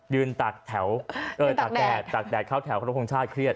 ยืนตากแถวตากแดดเข้าแถวคุณผู้ชาติเครียด